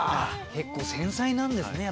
結構繊細なんですね。